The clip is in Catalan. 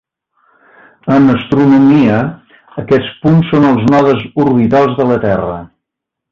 En astronomia, aquests punts són els nodes orbitals de la Terra.